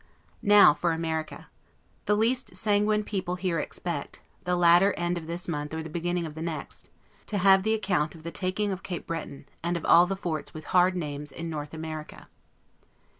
Now for America. The least sanguine people here expect, the latter end of this month or the beginning of the next, to have the account of the taking of Cape Breton, and of all the forts with hard names in North America.